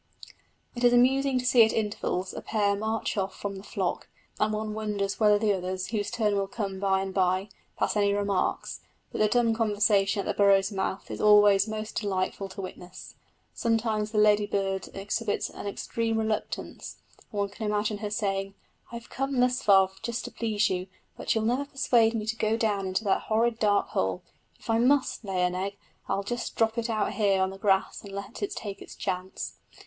It is amusing to see at intervals a pair march off from the flock; and one wonders whether the others, whose turn will come by and by, pass any remarks; but the dumb conversation at the burrow's mouth is always most delightful to witness. Sometimes the lady bird exhibits an extreme reluctance, and one can imagine her saying, "I have come thus far just to please you, but you'll never persuade me to go down into that horrid dark hole. If I must lay an egg, I'll just drop it out here on the grass and let it take its chance."